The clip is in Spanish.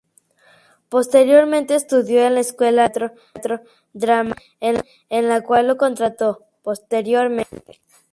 Posteriormente estudió en la escuela del Teatro Dramaten, el cual la contrató posteriormente.